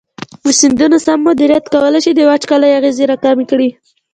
د سیندونو سم مدیریت کولی شي د وچکالۍ اغېزې راکمې کړي.